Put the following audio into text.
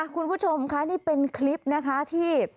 คุณผู้ชมค่ะนี่เป็นคลิปนะคะที่